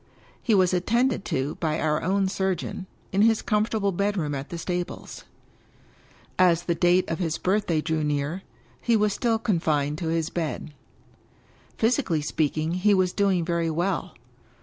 He was attended to by our own surgeon, in his comfort able bedroom at the stables. As the date of his birthday drew near, he was still confined to his bed. Physically speaking, he was doing very well.